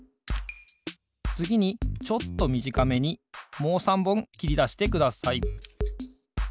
つぎにちょっとみじかめにもう３ぼんきりだしてください。